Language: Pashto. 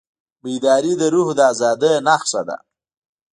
بیداري د روح د ازادۍ نښه ده.